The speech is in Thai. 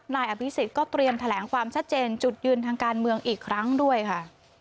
นายอภิษฎก็เตรียมแถลงความชัดเจนจุดยืนทางการเมืองอีกครั้งด้วยค่ะ